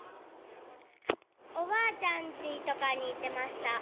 おばあちゃんちとかに行ってました。